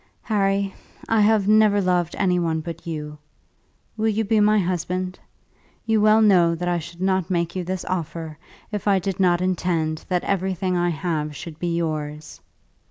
Harry, I have never loved any one but you. Will you be my husband? You well know that I should not make you this offer if I did not intend that everything I have should be yours.